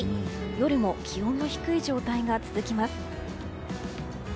夜も気温が低い状態が続きます。